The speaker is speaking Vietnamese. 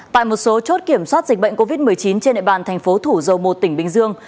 tại một số chốt kiểm soát dịch bệnh covid một mươi chín trên địa bàn thành phố thủ dầu một tỉnh bình dương